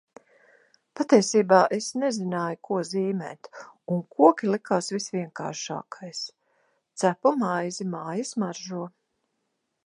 Patiesībā es nezināju, ko zīmēt un koki likās visvienkāršākais. Cepu maizi. Māja smaržo.